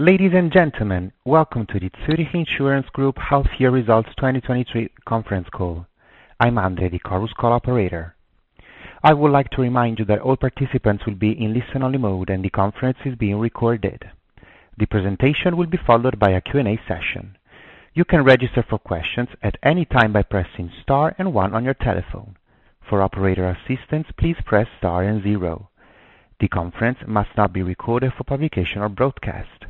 Ladies and gentlemen, welcome to the Zurich Insurance Group Half Year Results 2023 conference call. I'm Andre, the Chorus Call operator. I would like to remind you that all participants will be in listen-only mode, and the conference is being recorded. The presentation will be followed by a Q&A session. You can register for questions at any time by pressing Star and One on your telephone. For operator assistance, please press Star and Zero. The conference must not be recorded for publication or broadcast.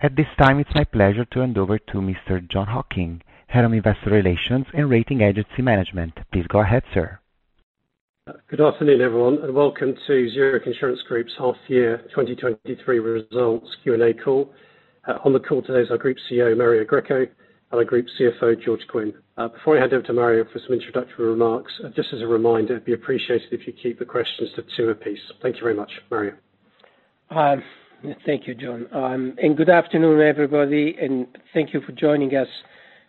At this time, it's my pleasure to hand over to Mr. Jon Hocking, Head of Investor Relations and Rating Agency Management. Please go ahead, sir. Good afternoon, everyone, and welcome to Zurich Insurance Group's Half Year 2023 Results Q&A call. On the call today is our Group CEO, Mario Greco, and our Group CFO, George Quinn. Before I hand over to Mario for some introductory remarks, just as a reminder, it'd be appreciated if you keep the questions to two apiece. Thank you very much. Mario? Thank you, Jon Hocking, and good afternoon, everybody, and thank you for joining us.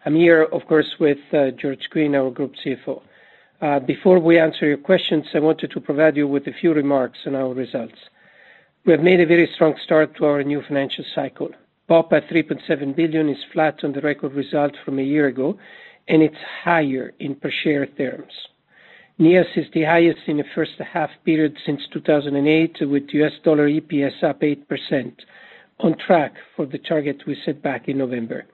I'm here, of course, with George Quinn, our Group CFO. Before we answer your questions, I wanted to provide you with a few remarks on our results. We have made a very strong start to our new financial cycle. BOP at $3.7 billion is flat on the record results from a year ago, and it's higher in per share terms. NIAS is the highest in the first half period since 2008, with US dollar EPS up 8%, on track for the target we set back in November.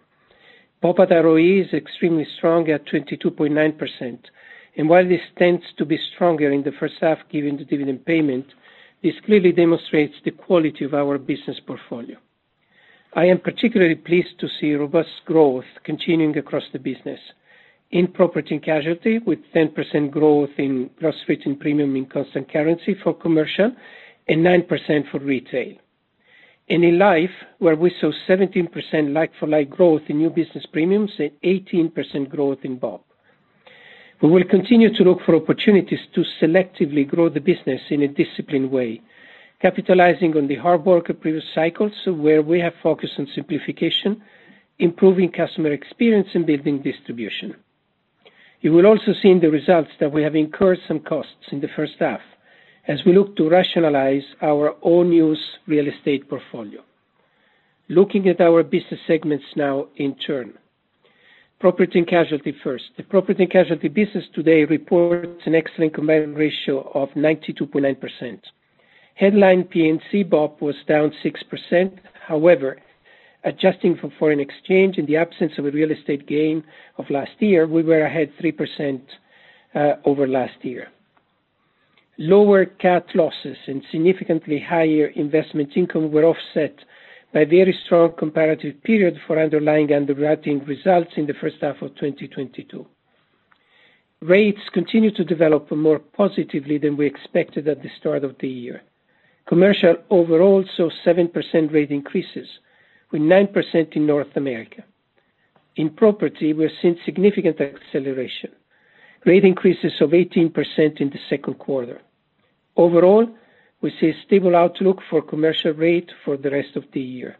BOP at ROE is extremely strong at 22.9%, and while this tends to be stronger in the first half, given the dividend payment, this clearly demonstrates the quality of our business portfolio. I am particularly pleased to see robust growth continuing across the business. In Property and Casualty, with 10% growth in gross written premium in constant currency for commercial and 9% for retail. In Life, where we saw 17% like-for-like growth in new business premiums and 18% growth in BOP. We will continue to look for opportunities to selectively grow the business in a disciplined way, capitalizing on the hard work of previous cycles, where we have focused on simplification, improving customer experience, and building distribution. You will also see in the results that we have incurred some costs in the first half as we look to rationalize our own use real estate portfolio. Looking at our business segments now in turn. Property and Casualty first. The Property and Casualty business today reports an excellent combined ratio of 92.9%. Headline PNC BOP was down 6%. Adjusting for foreign exchange, in the absence of a real estate gain of last year, we were ahead 3% over last year. Lower cat losses and significantly higher investment income were offset by very strong comparative period for underlying underwriting results in the first half of 2022. Rates continue to develop more positively than we expected at the start of the year. Commercial overall, saw 7% rate increases, with 9% in North America. In property, we are seeing significant acceleration. Rate increases of 18% in the second quarter. Overall, we see a stable outlook for commercial rate for the rest of the year.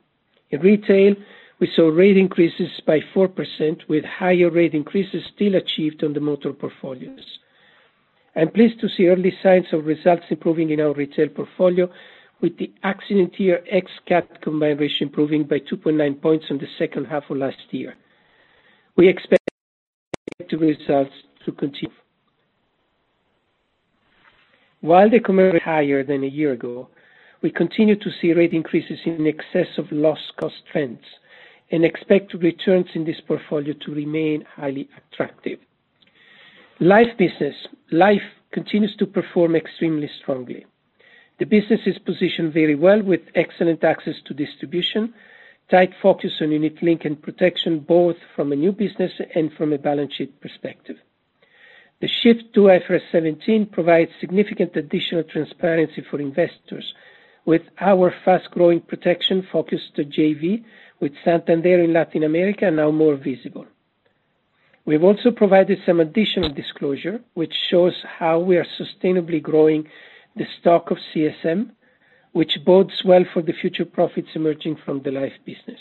In retail, we saw rate increases by 4%, with higher rate increases still achieved on the motor portfolios. I'm pleased to see early signs of results improving in our retail portfolio, with the accident year ex-cat combined ratio improving by 2.9 points in the second half of last year. We expect the results to continue. While the commercial is higher than a year ago, we continue to see rate increases in excess of loss cost trends and expect returns in this portfolio to remain highly attractive. Life business. Life continues to perform extremely strongly. The business is positioned very well, with excellent access to distribution, tight focus on unit-linked and protection, both from a new business and from a balance sheet perspective. The shift to IFRS 17 provides significant additional transparency for investors, with our fast-growing protection focused to JV, with Santander in Latin America now more visible. We've also provided some additional disclosure, which shows how we are sustainably growing the stock of CSM, which bodes well for the future profits emerging from the life business.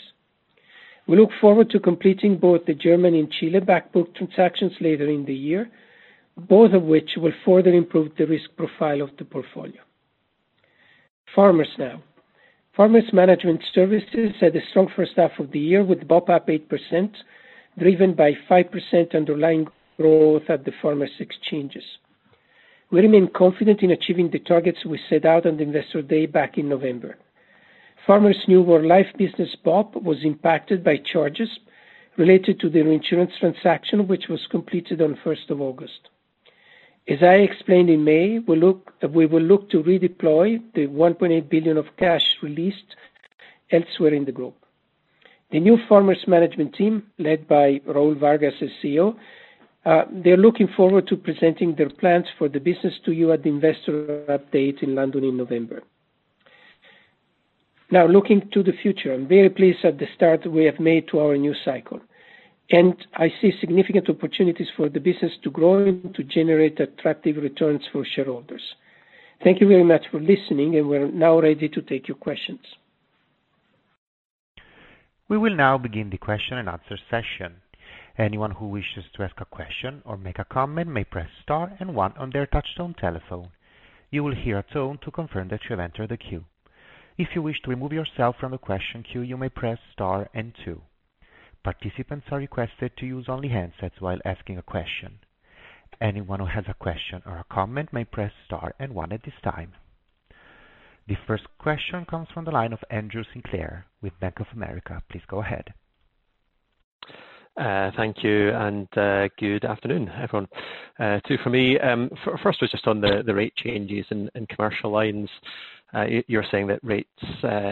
We look forward to completing both the German and Chile back book transactions later in the year, both of which will further improve the risk profile of the portfolio. Farmers now. Farmers Management Services had a strong first half of the year, with BOP up 8%, driven by 5% underlying growth at the Farmers exchanges. We remain confident in achieving the targets we set out on the Investor Day back in November. Farmers New World Life business BOP was impacted by charges related to the reinsurance transaction, which was completed on the 1st of August. As I explained in May, we will look to redeploy the $1.8 billion of cash released elsewhere in the group. The new Farmers management team, led by Raul Vargas, as CEO, they're looking forward to presenting their plans for the business to you at the Investor Day in London in November. Now, looking to the future, I'm very pleased at the start we have made to our new cycle, and I see significant opportunities for the business to grow and to generate attractive returns for shareholders. Thank you very much for listening, and we're now ready to take your questions. We will now begin the question and answer session. Anyone who wishes to ask a question or make a comment, may press star and one on their touchtone telephone. You will hear a tone to confirm that you have entered the queue. If you wish to remove yourself from the question queue, you may press star and two. Participants are requested to use only handsets while asking a question. Anyone who has a question or a comment may press star and one at this time. The first question comes from the line of Andrew Sinclair with Bank of America. Please go ahead. Thank you, and good afternoon, everyone. Two for me. First was just on the rate changes in commercial lines. You're saying that rates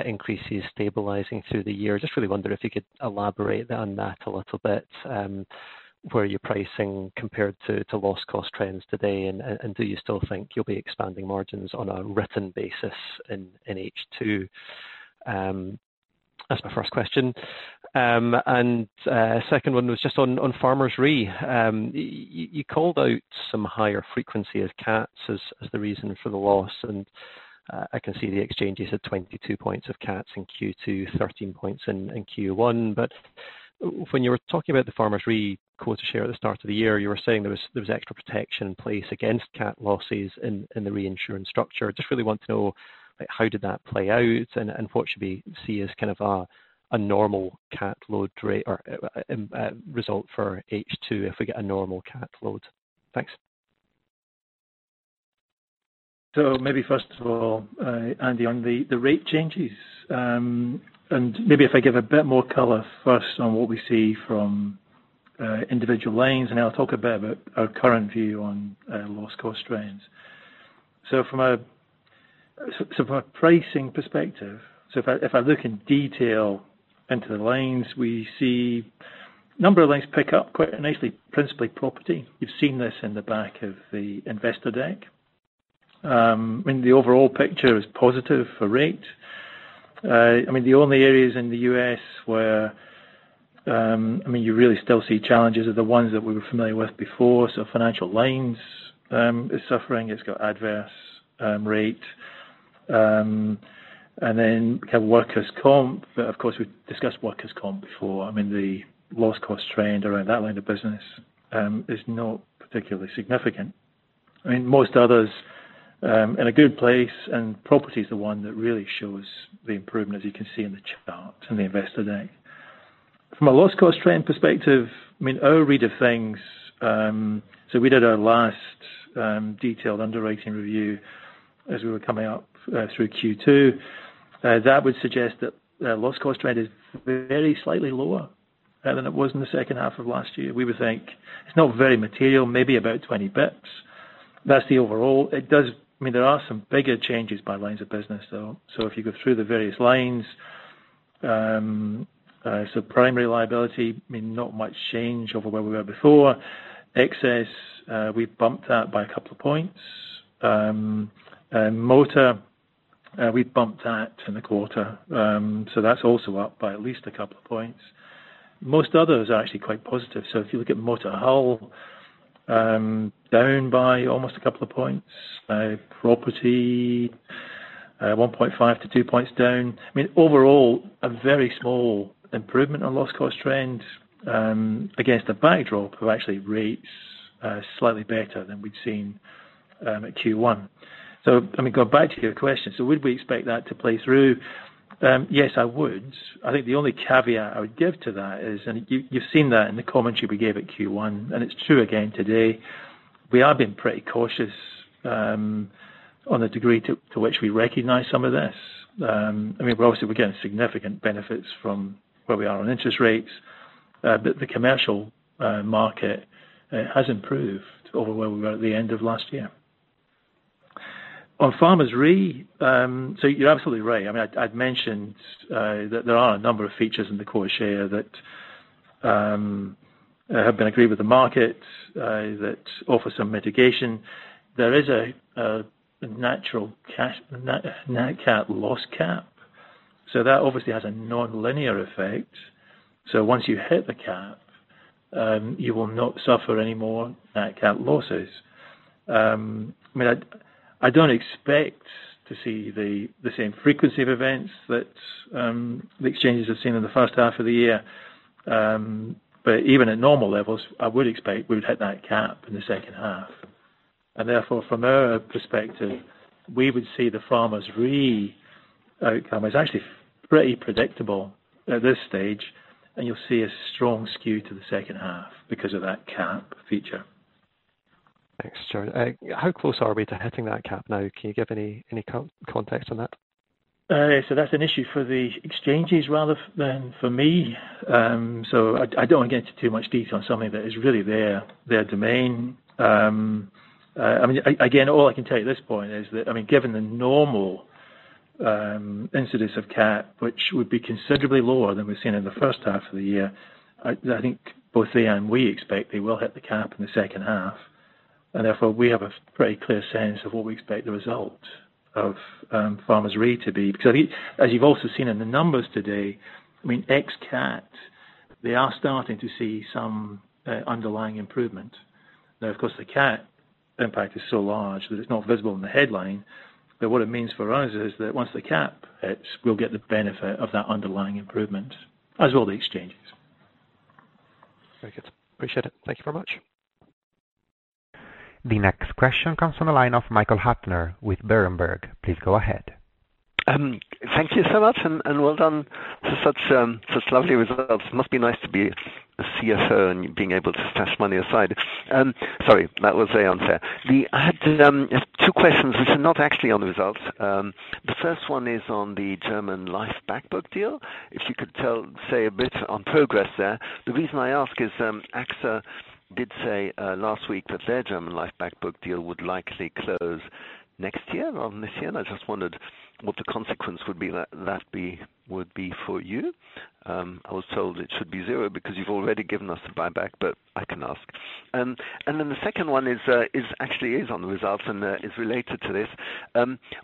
increases stabilizing through the year. Just really wonder if you could elaborate on that a little bit, where you're pricing compared to loss cost trends today. Do you still think you'll be expanding margins on a written basis in H2? That's my first question. Second one was just on Farmers Re. You called out some higher frequency of cats as the reason for the loss, and I can see the exchanges at 22 points of cats in Q2, 13 points in Q1. When you were talking about the Farmers Re quota share at the start of the year, you were saying there was, there was extra protection in place against cat losses in, in the reinsurance structure. Just really want to know, like, how did that play out, and, and what should we see as kind of a, a normal cat load rate or result for H2, if we get a normal cat load? Thanks. Maybe first of all, Andy, on the, the rate changes. Maybe if I give a bit more color first on what we see from individual lanes, and I'll talk a bit about our current view on loss cost trends. From a s- so from a pricing perspective, so if I, if I look in detail into the lanes, we see number of lanes pick up quite nicely, principally property. You've seen this in the back of the investor deck. The overall picture is positive for rate. I mean, the only areas in the US where, I mean, you really still see challenges are the ones that we were familiar with before. Financial Lines is suffering. It's got adverse rate. Then we have workers' comp. Of course, we've discussed workers' comp before. I mean, the loss cost trend around that line of business is not particularly significant. I mean, most others in a good place, property is the one that really shows the improvement, as you can see in the charts in the investor deck. From a loss cost trend perspective, I mean, our read of things. We did our last detailed underwriting review as we were coming up through Q2. That would suggest that loss cost trend is very slightly lower than it was in the second half of last year. We would think it's not very material, maybe about 20 basis points. That's the overall. It does. I mean, there are some bigger changes by lines of business, though. If you go through the various lines, primary liability, I mean, not much change over where we were before. Excess, we bumped that by a couple of points. Motor, we bumped that in the quarter. That's also up by at least a couple of points. Most others are actually quite positive. If you look at motor hull, down by almost a couple of points. Property, 1.5 to two points down. I mean, overall, a very small improvement on loss cost trend, against a backdrop of actually rates, slightly better than we'd seen at Q1. I mean, go back to your question. Would we expect that to play through? Yes, I would. I think the only caveat I would give to that is, and you, you've seen that in the commentary we gave at Q1, and it's true again today. We are being pretty cautious on the degree to, to which we recognize some of this. I mean, we're obviously, we're getting significant benefits from where we are on interest rates, but the commercial market has improved over where we were at the end of last year. On Farmers Re, you're absolutely right. I mean, I, I'd mentioned that there are a number of features in the quota share that have been agreed with the market that offer some mitigation. There is a natural cat net cat loss cap that obviously has a nonlinear effect. Once you hit the cap, you will not suffer any more net cat losses. I mean, I, I don't expect to see the, the same frequency of events that the Exchanges have seen in the first half of the year. Even at normal levels, I would expect we've hit that cap in the second half. Therefore, from our perspective, we would see the Farmers Re outcome as actually pretty predictable at this stage, and you'll see a strong skew to the second half because of that cap feature. Thanks, Charlie. How close are we to hitting that cap now? Can you give any, any context on that? That's an issue for The Farmers Exchanges rather than for me. I, I don't want to get into too much detail on something that is really their, their domain. I mean, again, all I can tell you at this point is that, I mean, given the normal incidence of cat, which would be considerably lower than we've seen in the first half of the year, I, I think both they and we expect they will hit the cap in the second half. Therefore, we have a very clear sense of what we expect the result of Farmers Re to be. I think, as you've also seen in the numbers today, I mean, ex-cat, they are starting to see some underlying improvement. Now, of course, the cat impact is so large that it's not visible in the headline. What it means for us is that once the CAT hits, we'll get the benefit of that underlying improvement, as will the Exchanges. Very good. Appreciate it. Thank you very much. The next question comes from the line of Michael Huttner with Berenberg. Please go ahead. Thank you so much, and well done to such lovely results. It must be nice to be a CSO and being able to stash money aside. Sorry, that was very unfair. I had two questions, which are not actually on the results. The first one is on the German life back book deal. If you could say a bit on progress there. The reason I ask is, AXA did say last week that their German life back book deal would likely close next year or this year, and I just wondered what the consequence would be that would be for you. I was told it should be zero, because you've already given us the buyback, but I can ask. Then the second one is, actually is on the results and is related to this.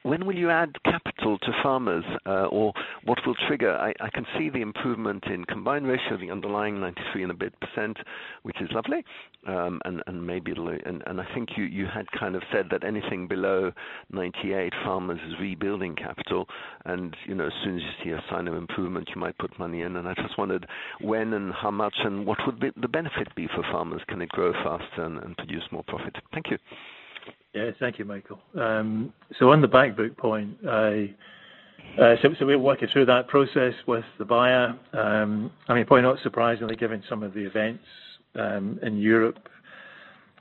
When will you add capital to Farmers, or what will trigger? I, I can see the improvement in combined ratio, the underlying 93 and a bit percent, which is lovely. Maybe it'll... I think you had kind of said that anything below 98, Farmers is rebuilding capital, and, you know, as soon as you see a sign of improvement, you might put money in. I just wondered, when and how much, and what would be the benefit be for Farmers? Can it grow faster and, and produce more profit? Thank you. Yeah. Thank you, Michael. On the back book point, I, so we're working through that process with the buyer. I mean, probably not surprisingly, given some of the events in Europe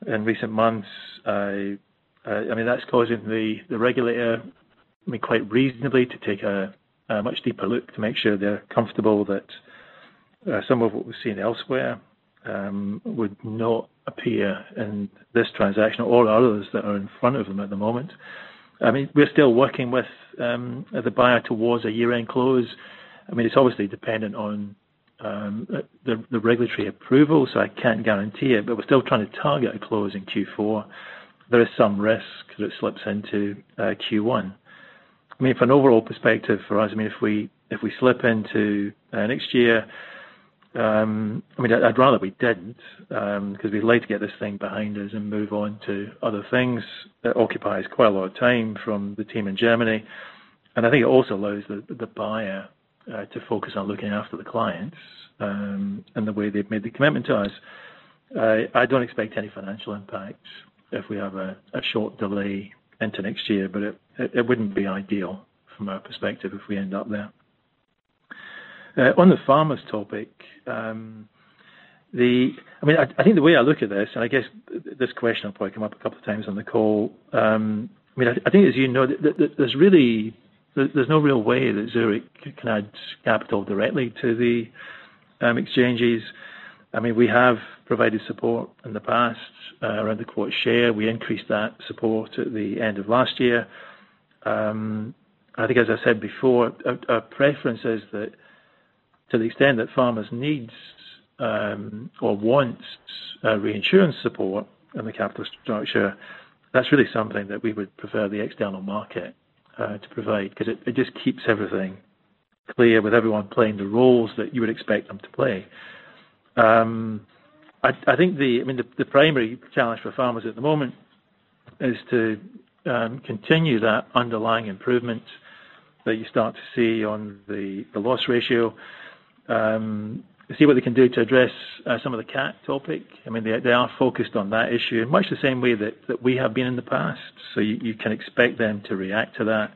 in recent months, I, I mean, that's causing the, the regulator, I mean, quite reasonably, to take a much deeper look to make sure they're comfortable that some of what we've seen elsewhere would not appear in this transaction or others that are in front of them at the moment. I mean, we're still working with the buyer towards a year-end close. I mean, it's obviously dependent on the, the regulatory approval, so I can't guarantee it, but we're still trying to target a close in Q4. There is some risk that it slips into Q1. From an overall perspective for us, if we, if we slip into next year, I'd rather we didn't, because we'd like to get this thing behind us and move on to other things. It occupies quite a lot of time from the team in Germany, and I think it also allows the buyer to focus on looking after the clients, and the way they've made the commitment to us. I don't expect any financial impact if we have a short delay into next year, but it wouldn't be ideal from our perspective if we end up there. On the Farmers topic, the... I mean, I, I think the way I look at this, and I guess this question will probably come up a couple times on the call. I mean, I think as you know, there, there, there's really, there's no real way that Zurich can add capital directly to the exchanges. I mean, we have provided support in the past, around the quota share. We increased that support at the end of last year. I think as I said before, our, our preference is that to the extent that Farmers needs, or wants, reinsurance support in the capital structure, that's really something that we would prefer the external market to provide, 'cause it just keeps everything clear with everyone playing the roles that you would expect them to play. I, I think the, I mean, the, the primary challenge for Farmers at the moment is to continue that underlying improvement that you start to see on the, the loss ratio. See what they can do to address some of the CAT topic. I mean, they, they are focused on that issue in much the same way that, that we have been in the past, so you, you can expect them to react to that.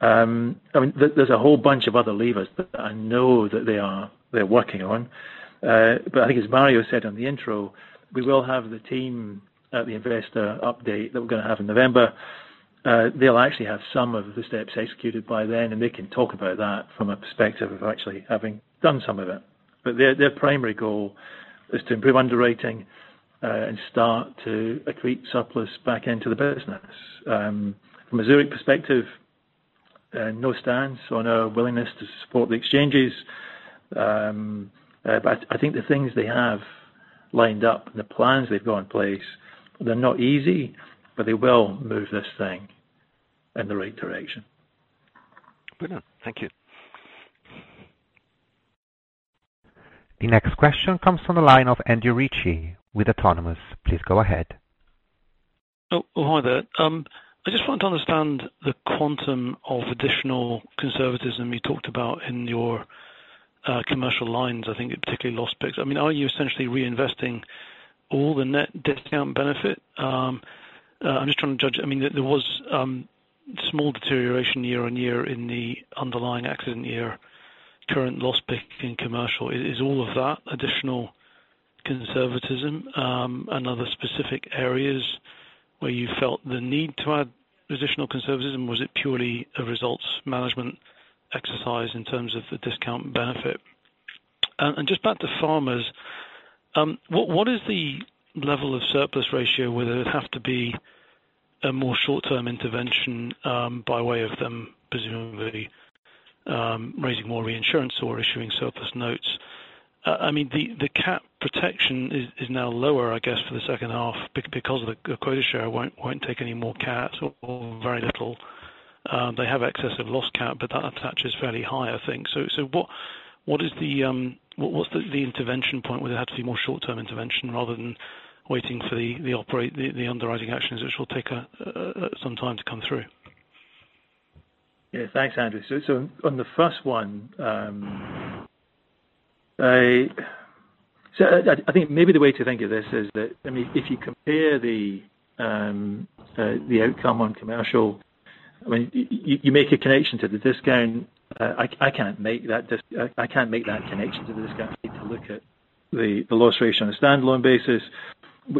I mean, there, there's a whole bunch of other levers that I know that they are, they're working on, but I think as Mario said on the intro, we will have the team at the investor update that we're gonna have in November. They'll actually have some of the steps executed by then, and they can talk about that from a perspective of actually having done some of it. Their, their primary goal is to improve underwriting, and start to accrete surplus back into the business. From a Zurich perspective, no stance on our willingness to support the exchanges. I think the things they have lined up and the plans they've got in place, they're not easy, but they will move this thing in the right direction. Brilliant. Thank you. The next question comes from the line of Andrew Ritchie with Autonomous. Please go ahead. Oh, hi there. I just wanted to understand the quantum of additional conservatism you talked about in your commercial lines, I think particularly loss picks. I mean, are you essentially reinvesting all the net discount benefit? I'm just trying to judge. I mean, there was small deterioration year-on-year in the underlying accident year, current loss pick in commercial. Is all of that additional conservatism? Are there specific areas where you felt the need to add additional conservatism, or was it purely a results management exercise in terms of the discount benefit? Just back to Farmers, what is the level of surplus ratio, whether it would have to be a more short-term intervention, by way of them presumably raising more reinsurance or issuing surplus notes? I mean, the, the Cat protection is, is now lower, I guess, for the second half because of the quota share won't, won't take any more Cat or, or very little. They have excess of loss Cat, but that attach is fairly high, I think. What, what is the, what, what's the, the intervention point? Would it have to be more short-term intervention rather than waiting for the, the operate, the, the underwriting actions, which will take some time to come through? Yeah. Thanks, Andrew. On the first one, I think maybe the way to think of this is that, I mean, if you compare the outcome on commercial, I mean, you make a connection to the discount. I can't make that connection to the discount. You have to look at the loss ratio on a standalone basis.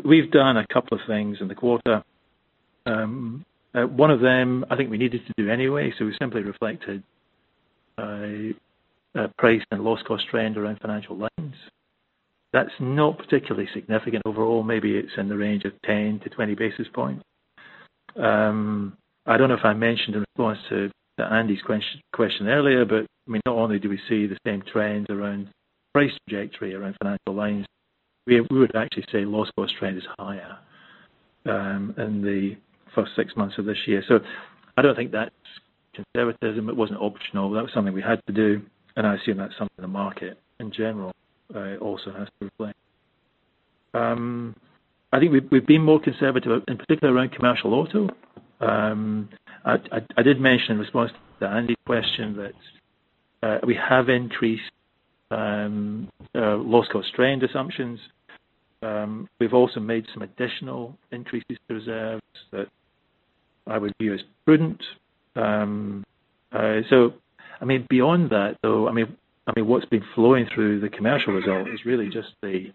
We've done a couple of things in the quarter. One of them I think we needed to do anyway, so we simply reflected a price and loss cost trend around financial lines. That's not particularly significant overall. Maybe it's in the range of 10-20 basis points. I don't know if I mentioned in response to, to Andy's question earlier, I mean, not only do we see the same trends around price trajectory, around Financial Lines, we, we would actually say loss cost trend is higher in the first six months of this year. I don't think that's conservatism. It wasn't optional. That was something we had to do, and I assume that's something the market in general also has to reflect. I think we've, we've been more conservative, in particular around commercial auto. I, I, I did mention in response to the Andy question that we have increased loss cost trend assumptions. We've also made some additional increases to reserves that I would view as prudent. I mean, beyond that though, I mean, I mean, what's been flowing through the commercial result is really just the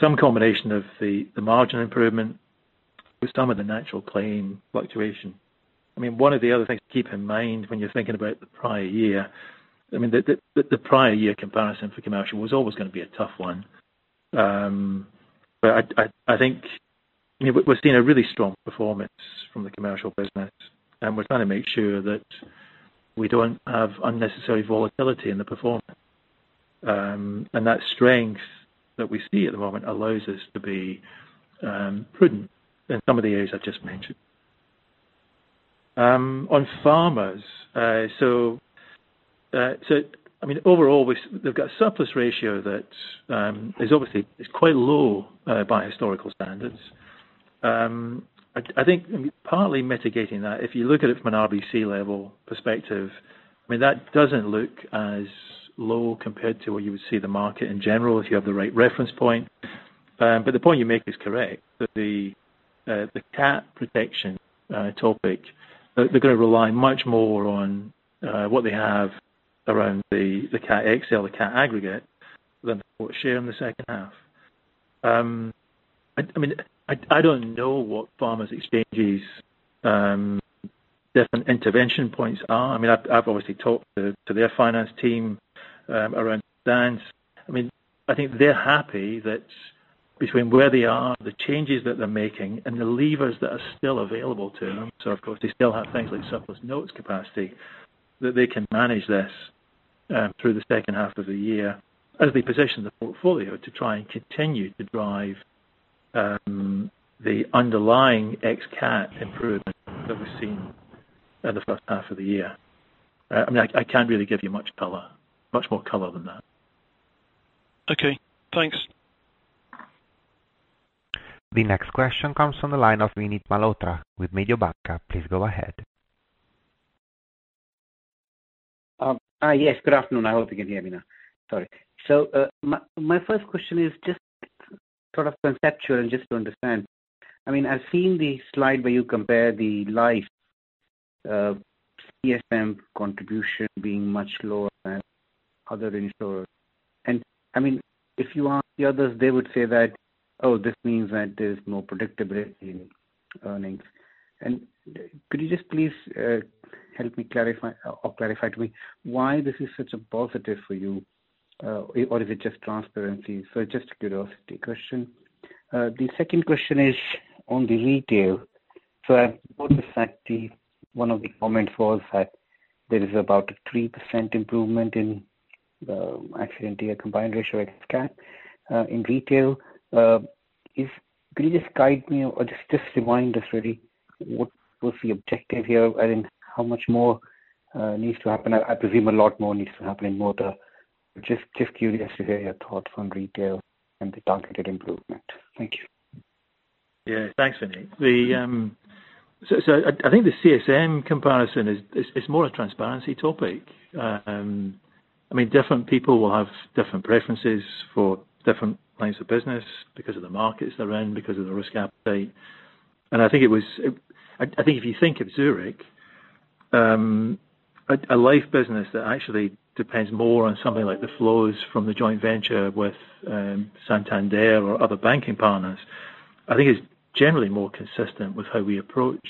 some combination of the margin improvement with some of the natural claim fluctuation. I mean, one of the other things to keep in mind when you're thinking about the prior year, I mean, the prior year comparison for commercial was always gonna be a tough one. I think, you know, we're seeing a really strong performance from the commercial business, and we're trying to make sure that we don't have unnecessary volatility in the performance. That strength that we see at the moment allows us to be prudent in some of the areas I just mentioned. On Farmers, I mean, overall, They've got a surplus ratio that is obviously quite low by historical standards. I think partly mitigating that, if you look at it from an RBC level perspective, I mean, that doesn't look as low compared to what you would see the market in general, if you have the right reference point. The point you make is correct, that the cat protection topic, they're gonna rely much more on what they have around the Cat XL, the cat aggregate, than share in the second half. I mean, I don't know what Farmers Exchange's different intervention points are. I mean, I've obviously talked to their finance team around plans. I mean, I think they're happy that between where they are, the changes that they're making, and the levers that are still available to them, so of course, they still have things like surplus notes capacity, that they can manage this through the second half of the year as we position the portfolio to try and continue to drive the underlying ex-cat improvement that we've seen in the first half of the year. I mean, I can't really give you much color, much more color than that. Okay, thanks. The next question comes from the line of Vinit Malhotra with Mediobanca. Please go ahead. Yes, good afternoon. I hope you can hear me now. Sorry. My first question is just sort of conceptual and just to understand. I mean, I've seen the slide where you compare the life, CSM contribution being much lower than other insurers. I mean, if you ask the others, they would say that, "Oh, this means that there's no predictability in earnings." Could you just please help me clarify or clarify to me why this is such a positive for you, or is it just transparency? Just a curiosity question. The second question is on the retail. One of the comments was that there is about a 3% improvement in the accident year combined ratio at CAT. In retail. Could you just guide me or just remind us really, what was the objective here? How much more needs to happen? I presume a lot more needs to happen in motor. Just curious to hear your thoughts on retail and the targeted improvement. Thank you. Yeah, thanks, Vinit. I think the CSM comparison is more a transparency topic. I mean, different people will have different preferences for different lines of business because of the markets they're in, because of the risk appetite. I think if you think of Zurich, a life business that actually depends more on something like the flows from the joint venture with Santander or other banking partners, I think is generally more consistent with how we approach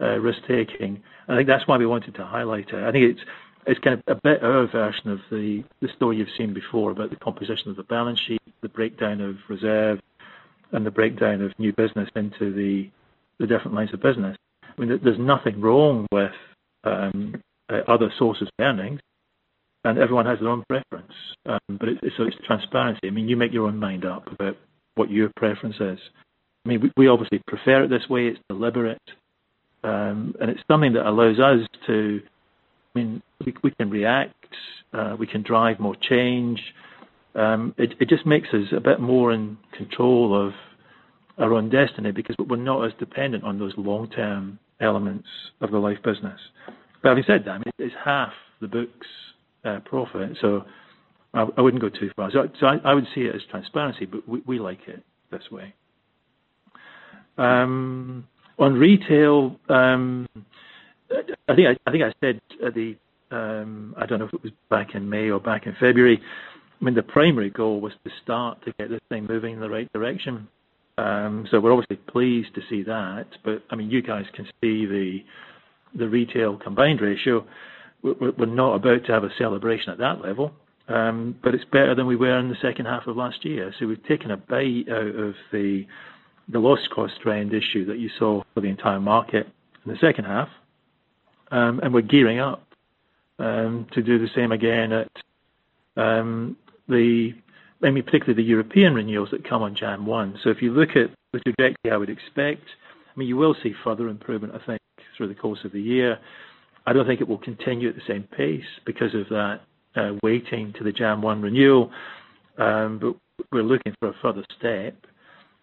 risk taking, and I think that's why we wanted to highlight it. I think it's kind of a better version of the story you've seen before about the composition of the balance sheet, the breakdown of reserve, and the breakdown of new business into the different lines of business. I mean, there's nothing wrong with other sources of earnings. Everyone has their own preference, but it's transparency. I mean, you make your own mind up about what your preference is. I mean, we, we obviously prefer it this way. It's deliberate, and it's something that allows us to. I mean, we, we can react, we can drive more change. It, it just makes us a bit more in control of our own destiny, because we're not as dependent on those long-term elements of the life business. Having said that, it's half the book's profit, so I, I wouldn't go too far. So I would see it as transparency, but we, we like it this way. On retail, I think I, I think I said at the, I don't know if it was back in May or back in February, I mean, the primary goal was to start to get this thing moving in the right direction. We're obviously pleased to see that. I mean, you guys can see the, the retail combined ratio. We're, we're not about to have a celebration at that level, but it's better than we were in the second half of last year. We've taken a bite out of the, the loss cost trend issue that you saw for the entire market in the second half. We're gearing up to do the same again at the... I mean, particularly the European renewals that come on January 1. If you look at the trajectory, I would expect, I mean, you will see further improvement, I think, through the course of the year. I don't think it will continue at the same pace because of that weighting to the Jan 1 renewal. We're looking for a further step,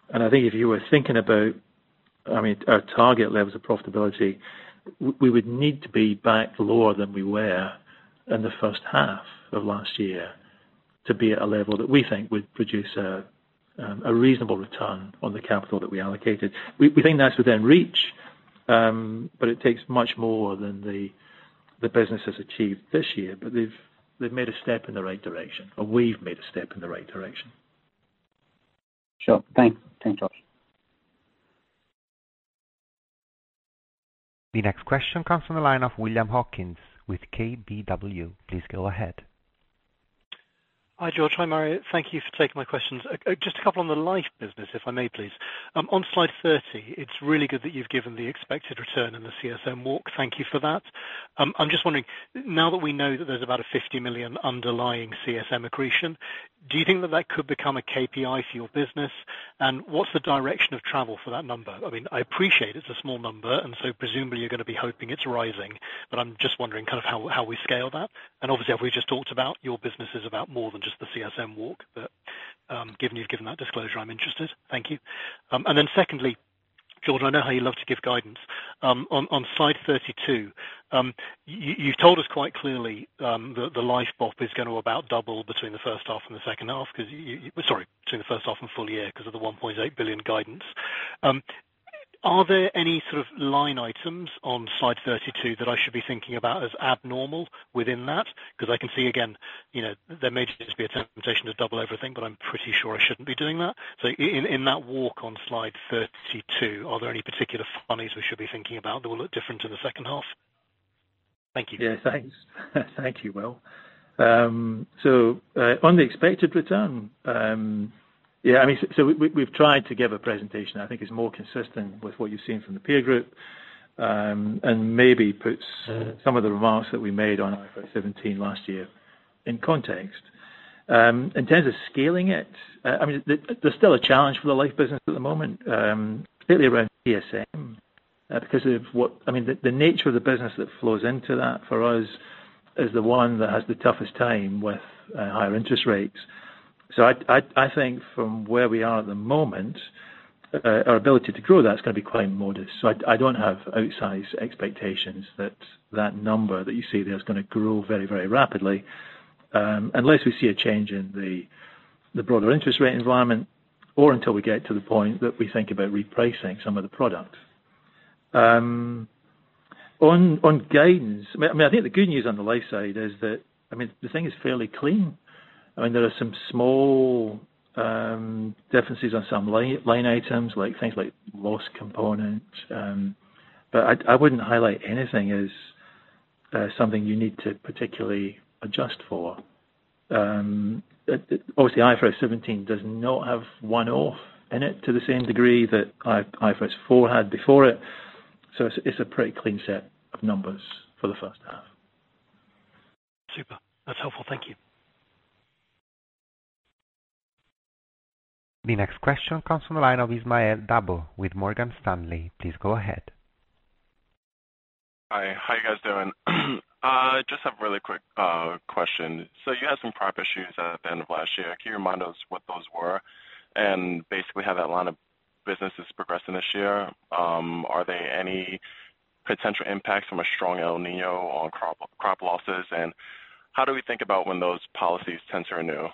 and I think if you were thinking about, I mean, our target levels of profitability, we would need to be back lower than we were in the first half of last year to be at a level that we think would produce a reasonable return on the capital that we allocated. We, we think that's within reach, but it takes much more than the business has achieved this year. They've, they've made a step in the right direction, or we've made a step in the right direction. Sure. Thanks. Thanks, George. The next question comes from the line of William Hawkins with KBW. Please go ahead. Hi, George. Hi, Mario. Thank you for taking my questions. Just a couple on the life business, if I may, please. On slide 30, it's really good that you've given the expected return on the CSM walk. Thank you for that. I'm just wondering, now that we know that there's about a $50 million underlying CSM accretion, do you think that that could become a KPI for your business? What's the direction of travel for that number? I mean, I appreciate it's a small number, and so presumably you're going to be hoping it's rising. I'm just wondering kind of how, how we scale that. Obviously, as we just talked about, your business is about more than just the CSM walk, but given you've given that disclosure, I'm interested. Thank you. Secondly, George, I know how you love to give guidance. On slide 32, you've told us quite clearly that the life BOP is going to about double between the first half and the second half because Sorry, between the first half and full year, because of the $1.8 billion guidance. Are there any sort of line items on slide 32 that I should be thinking about as abnormal within that? I can see again, you know, there may just be a temptation to double everything, but I'm pretty sure I shouldn't be doing that. In that walk on slide 32, are there any particular funnies we should be thinking about that will look different in the second half? Thank you. Yeah, thanks. Thank you, Will. On the expected return, yeah, I mean, so, so we've, we've tried to give a presentation I think is more consistent with what you've seen from the peer group. Maybe puts some of the remarks that we made on IFRS 17 last year in context. In terms of scaling it, I mean, there, there's still a challenge for the life business at the moment, particularly around ESM, because of what I mean, the, the nature of the business that flows into that, for us, is the one that has the toughest time with higher interest rates. I, I, I think from where we are at the moment, our ability to grow that is going to be quite modest. I, I don't have outsized expectations that, that number that you see there is going to grow very, very rapidly, unless we see a change in the, the broader interest rate environment or until we get to the point that we think about repricing some of the products. On, on guidance, I mean, I think the good news on the life side is that, I mean, the thing is fairly clean. I mean, there are some small differences on some line, line items, like things like loss component, but I'd, I wouldn't highlight anything as something you need to particularly adjust for. Obviously, IFRS 17 does not have one-off in it to the same degree that IFRS 4 had before it, so it's, it's a pretty clean set of numbers for the first half. Super. That's helpful. Thank you. The next question comes from the line of Ismail Dabo with Morgan Stanley. Please go ahead. Hi. How are you guys doing? Just a really quick question. You had some crop issues at the end of last year. Can you remind us what those were and basically how that line of business is progressing this year? Are there any potential impacts from a strong El Niño on crop, crop losses, and how do we think about when those policies tend to renew?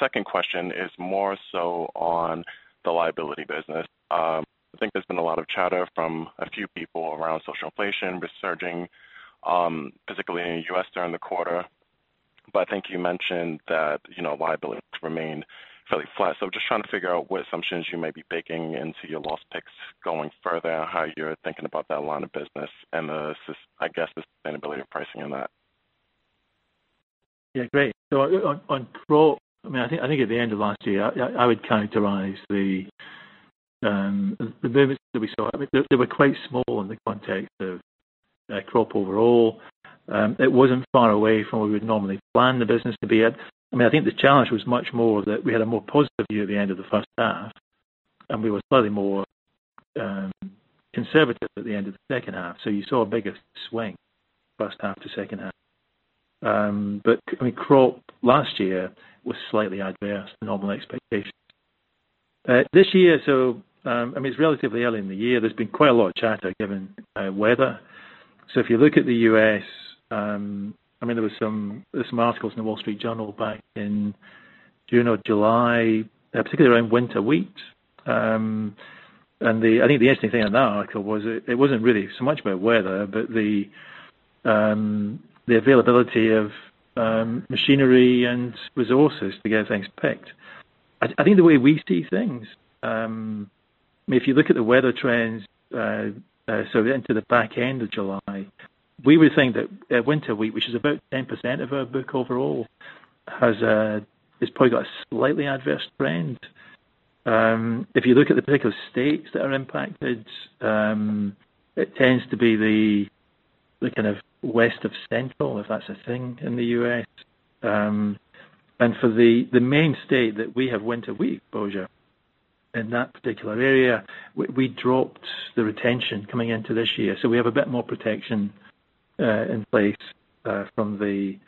Second question is more so on the liability business. I think there's been a lot of chatter from a few people around social inflation resurging, particularly in the U.S. during the quarter. I think you mentioned that, you know, liability remained fairly flat. Just trying to figure out what assumptions you may be baking into your loss picks going further, how you're thinking about that line of business and I guess, the sustainability of pricing in that? Yeah, great. On, on crop, I think, I think at the end of last year, I, I would characterize the movements that we saw, they were quite small in the context of crop overall. It wasn't far away from what we would normally plan the business to be at. I think the challenge was much more that we had a more positive view at the end of the first half, and we were slightly more conservative at the end of the second half. You saw a bigger swing first half to second half. Crop last year was slightly adverse to normal expectations. This year, it's relatively early in the year. There's been quite a lot of chatter given weather. If you look at The U.S.,I mean, there was some, there was some articles in The Wall Street Journal back in June or July, particularly around winter wheat. I think the interesting thing in that article was it, it wasn't really so much about weather, but the availability of machinery and resources to get things picked. I, I think the way we see things, if you look at the weather trends, so into the back end of July, we would think that winter wheat, which is about 10% of our book overall, has a, it's probably got a slightly adverse trend. If you look at the particular states that are impacted, it tends to be the kind of west of central, if that's a thing in the US. For the main state that we have winter wheat exposure in that particular area, we dropped the retention coming into this year. We have a bit more protection in place from the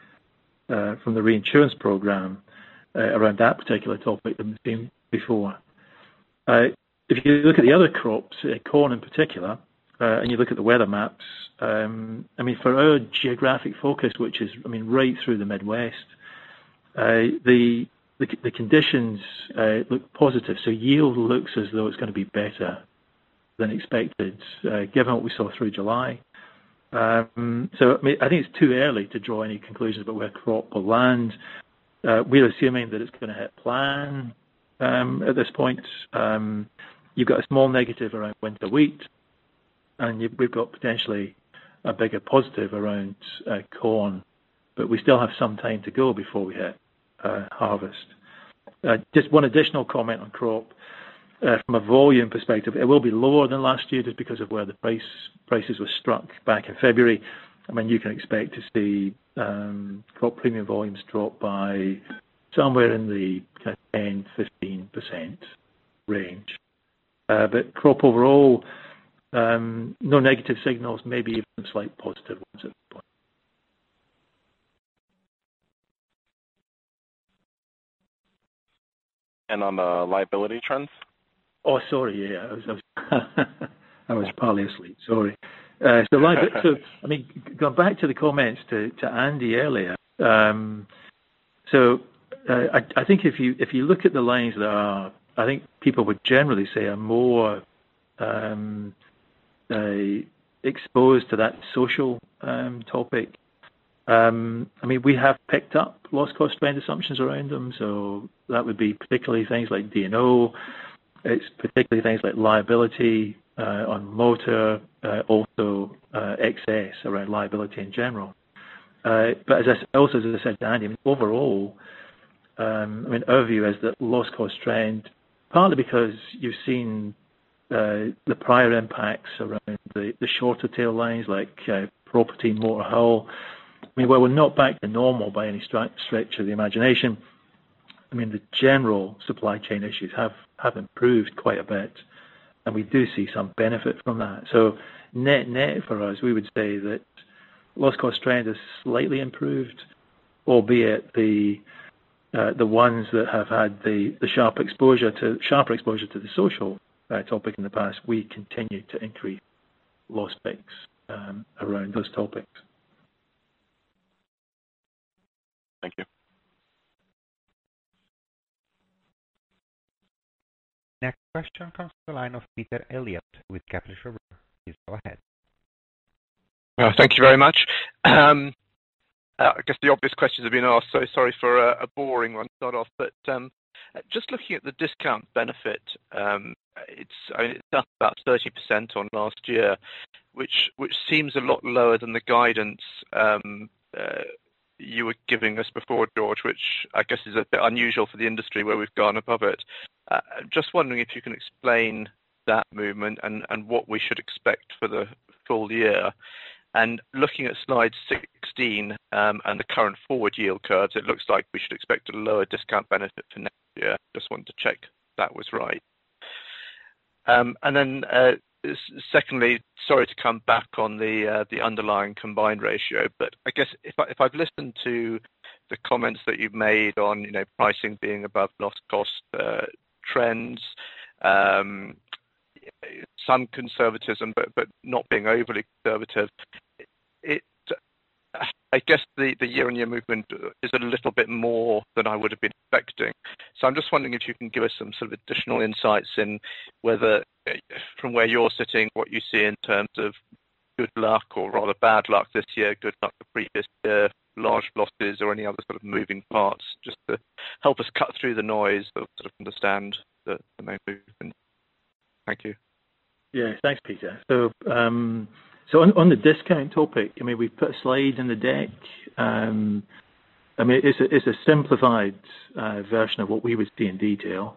reinsurance program around that particular topic than we've seen before. If you look at the other crops, corn in particular, and you look at the weather maps, I mean, for our geographic focus, which is, I mean, right through the Midwest, the conditions look positive. Yield looks as though it's going to be better than expected, given what we saw through July. I mean, I think it's too early to draw any conclusions about where crop will land. We're assuming that it's going to hit plan. At this point, you've got a small negative around winter wheat, and we've got potentially a bigger positive around corn, but we still have some time to go before we hit harvest. Just one additional comment on crop. From a volume perspective, it will be lower than last year just because of where prices were struck back in February. I mean, you can expect to see crop premium volumes drop by somewhere in the kind of 10-15% range. Crop overall, no negative signals, maybe even slight positive ones at point. On the liability trends? Oh, sorry. Yeah, I was, I was partly asleep. Sorry. Like, so I mean, going back to the comments to Andy earlier, I, I think if you, if you look at the lines that are... I think people would generally say are more exposed to that social topic. I mean, we have picked up loss cost trend assumptions around them, so that would be particularly things like D&O. It's particularly things like liability on motor, also excess around liability in general. As I also, as I said to Andy, overall, I mean, our view is that loss cost trend, partly because you've seen the prior impacts around the, the shorter tail lines like property, motor, hull. I mean, while we're not back to normal by any stretch of the imagination, I mean, the general supply chain issues have, have improved quite a bit, and we do see some benefit from that. Net-net for us, we would say that loss cost trend is slightly improved, albeit the ones that have had the sharper exposure to the social topic in the past, we continue to increase loss picks around those topics. Thank you. Next question comes from the line of Peter Eliot with Capital Group. Please go ahead. Thank you very much. I guess the obvious questions have been asked, so sorry for a, a boring one to start off. Just looking at the discount benefit, it's, I mean, it's up about 30% on last year, which, which seems a lot lower than the guidance you were giving us before, George, which I guess is a bit unusual for the industry where we've gone above it. Just wondering if you can explain that movement and, and what we should expect for the full year. Looking at slide 16, and the current forward yield curves, it looks like we should expect a lower discount benefit for next year. Just wanted to check if that was right. Secondly, sorry to come back on the underlying combined ratio, I guess if I, if I've listened to the comments that you've made on, you know, pricing being above loss cost trends, some conservatism, but, but not being overly conservative, it. I guess the year-on-year movement is a little bit more than I would have been expecting. I'm just wondering if you can give us some sort of additional insights in whether, from where you're sitting, what you see in terms of good luck or rather bad luck this year, good luck the previous year, large losses or any other sort of moving parts, just to help us cut through the noise, but sort of understand the main movement. Thank you. Yeah, thanks, Peter. On, on the discount topic, I mean, we've put a slide in the deck. I mean, it's a, it's a simplified version of what we would see in detail.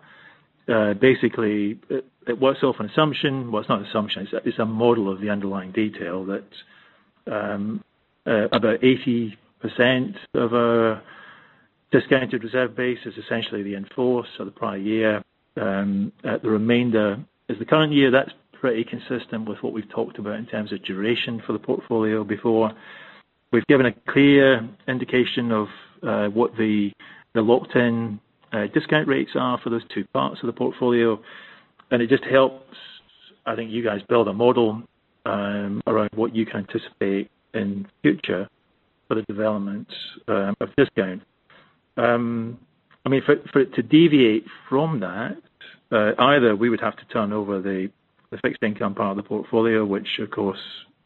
Basically, it, it works off an assumption. Well, it's not an assumption. It's a, it's a model of the underlying detail that about 80% of our discounted reserve base is essentially the enforced of the prior year. The remainder is the current year. That's pretty consistent with what we've talked about in terms of duration for the portfolio before. We've given a clear indication of what the, the locked-in discount rates are for those two parts of the portfolio. It just helps, I think, you guys build a model around what you can anticipate in the future for the development of discount. I mean, for, for it to deviate from that, either we would have to turn over the, the fixed income part of the portfolio, which of course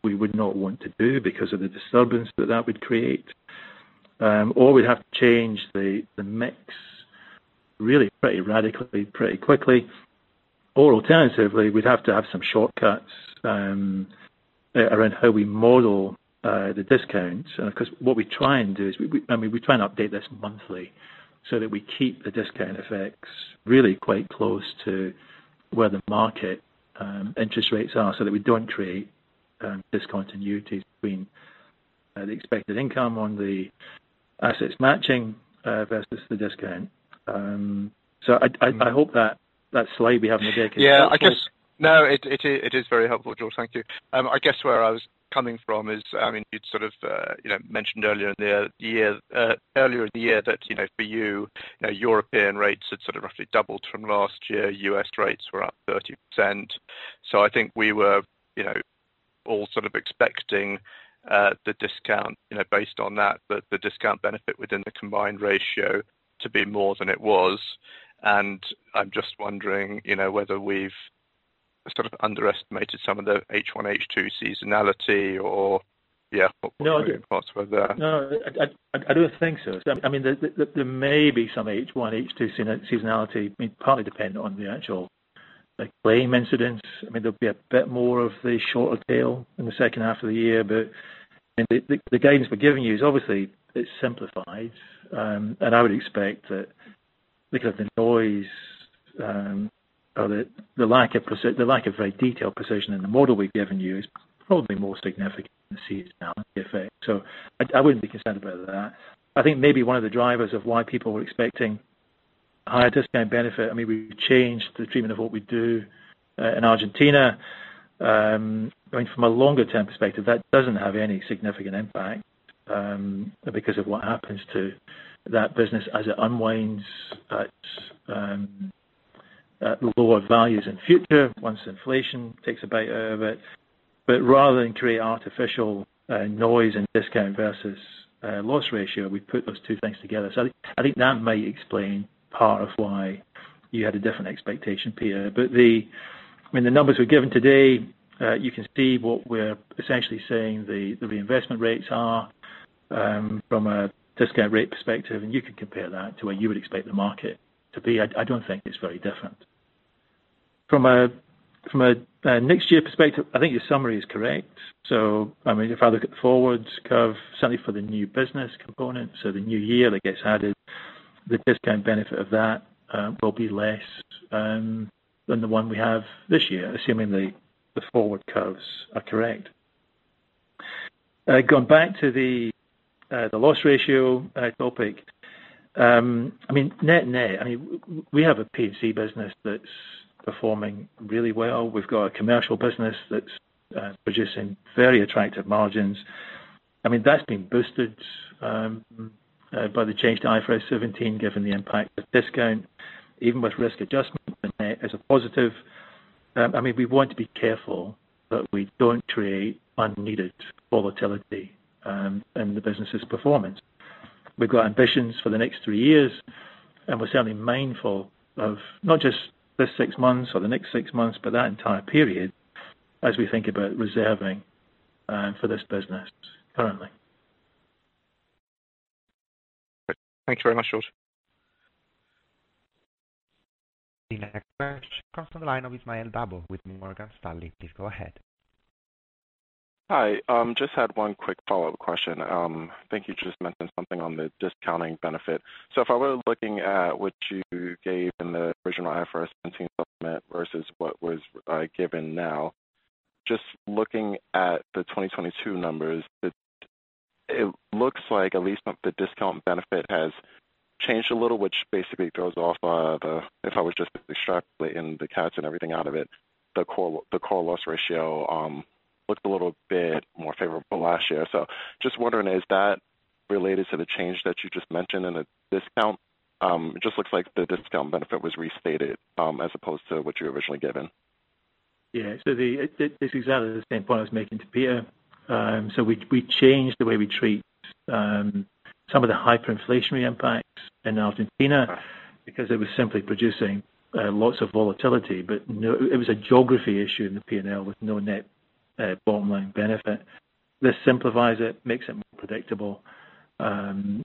we would not want to do because of the disturbance that that would create. We'd have to change the, the mix really pretty radically, pretty quickly. Alternatively, we'd have to have some shortcuts around how we model the discount. Because what we try and do is we, we I mean, we try and update this monthly so that we keep the discount effects really quite close to where the market interest rates are, so that we don't create discontinuities between the expected income on the assets matching versus the discount. I, I, I hope that that slide we have in the deck- Yeah, I guess. No, it, it, it is very helpful, George. Thank you. I guess where I was coming from is, I mean, you'd sort of, you know, mentioned earlier in the year, earlier in the year that, you know, for you, you know, European rates had sort of roughly doubled from last year. US rates were up 30%. I think we were, you know, all sort of expecting, the discount, you know, based on that, the discount benefit within the combined ratio to be more than it was. I'm just wondering, you know, whether we've sort of underestimated some of the H1, H2 seasonality or, yeah. No. Possible there. No, I, I, I don't think so. I mean, there, there may be some H1, H2 seasonality. I mean, partly dependent on the actual, like, claim incidents. I mean, there'll be a bit more of the shorter tail in the second half of the year, but, I mean, the, the, the guidance we're giving you is obviously it's simplified. I would expect that because the noise, or the, the lack of the lack of very detailed precision in the model we've given you is probably more significant than the seasonality effect. I, I wouldn't be concerned about that. I think maybe one of the drivers of why people were expecting higher discount benefit, I mean, we've changed the treatment of what we do in Argentina. I mean, from a longer term perspective, that doesn't have any significant impact, because of what happens to that business as it unwinds at lower values in future, once inflation takes a bite out of it. Rather than create artificial noise and discount versus loss ratio, we put those two things together. I think, I think that may explain part of why you had a different expectation, Peter. I mean, the numbers we've given today, you can see what we're essentially saying the, the investment rates are, from a discount rate perspective, and you can compare that to what you would expect the market to be. I, I don't think it's very different. From a next year perspective, I think your summary is correct. I mean, if I look at the forwards curve, certainly for the new business component, so the new year that gets added, the discount benefit of that will be less than the one we have this year, assuming the forward curves are correct. Going back to the loss ratio topic. I mean, net-net, I mean, we have a PNC business that's performing really well. We've got a commercial business that's producing very attractive margins. I mean, that's been boosted by the change to IFRS 17, given the impact of discount, even with risk adjustment as a positive. I mean, we want to be careful that we don't create unneeded volatility in the business's performance. We've got ambitions for the next three years, and we're certainly mindful of not just this six months or the next six months, but that entire period as we think about reserving for this business currently. Thank you very much, George. The next question comes from the line of Ismail Dabo with Morgan Stanley. Please go ahead. Hi. just had 1 quick follow-up question. I think you just mentioned something on the discounting benefit. If I were looking at what you gave in the original IFRS 17 versus what was given now, just looking at the 2022 numbers, it looks like at least the discount benefit has changed a little, which basically throws off. If I was just extracting the cats and everything out of it, the core, the core loss ratio, looked a little bit more favorable last year. Just wondering, is that related to the change that you just mentioned in the discount? It just looks like the discount benefit was restated, as opposed to what you were originally given. It's exactly the same point I was making to Peter. We changed the way we treat some of the hyperinflationary impacts in Argentina because it was simply producing lots of volatility. No, it was a geography issue in the P&L with no net bottom line benefit. This simplifies it, makes it more predictable, and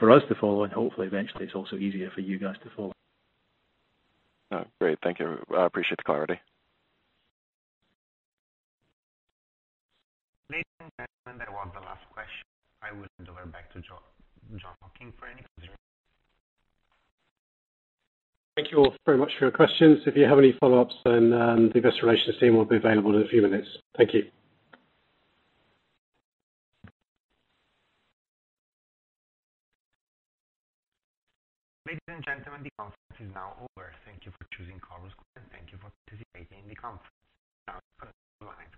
for us to follow, and hopefully eventually, it's also easier for you guys to follow. Oh, great. Thank you. I appreciate the clarity. Ladies and gentlemen, that was the last question. I will hand over back to Joe, Jon Hocking for any closing remarks. Thank you all very much for your questions. If you have any follow-ups, then the investor relations team will be available in a few minutes. Thank you. Ladies and gentlemen, the conference is now over. Thank you for choosing Chorus Call, and thank you for participating in the conference. Now, you may disconnect. Bye.